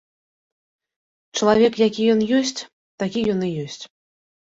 Чалавек які ён ёсць, такі ён і ёсць.